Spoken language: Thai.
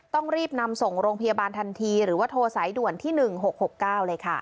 ต้องรีบนำส่งโรงพยาบาลทันทีหรือว่าโทรสายด่วนที่๑๖๖๙เลยค่ะ